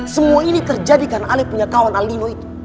semua ini terjadi karena ale punya kawan aldino itu